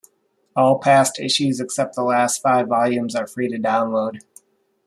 All past issues except the last five volumes are free to download.